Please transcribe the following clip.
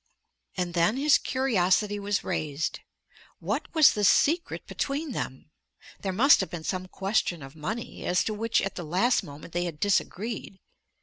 And then his curiosity was raised. What was the secret between them? There must have been some question of money, as to which at the last moment they had disagreed.